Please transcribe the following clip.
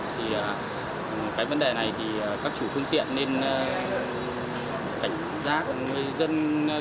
cái vấn đề này thì các chủ phương tiện nên cảnh giác với dân khi ra hạn đăng kiểm